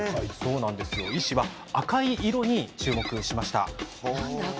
医師は赤い色に注目しました。